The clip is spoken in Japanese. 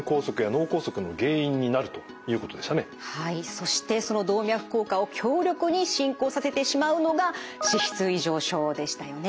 そしてその動脈硬化を強力に進行させてしまうのが脂質異常症でしたよね。